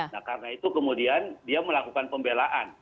nah karena itu kemudian dia melakukan pembelaan